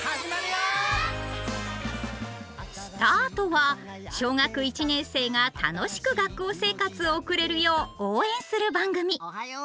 「すたあと」は小学１年生が楽しく学校生活を送れるよう応援する番組。